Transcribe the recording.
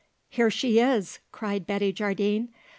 "Here she is!" cried Betty Jardine.